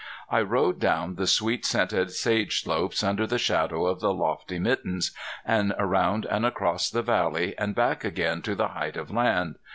I rode down the sweet scented sage slopes under the shadow of the lofty Mittens, and around and across the valley, and back again to the height of land.